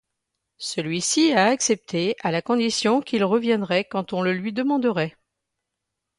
Celui-ci a accepté à la condition qu'il reviendrait quand on le lui demanderait.